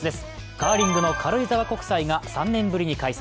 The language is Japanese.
カーリングの軽井沢国際が３年ぶりに開催。